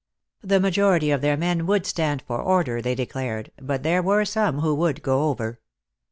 The majority of their men would stand for order, they declared, but there were some who would go over.